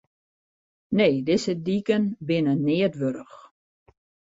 Nee, dizze diken binne neat wurdich.